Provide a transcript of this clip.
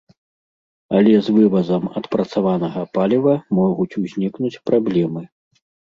Але з вывазам адпрацаванага паліва могуць узнікнуць праблемы.